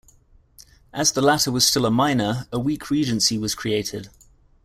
As the latter was still a minor, a weak regency was created.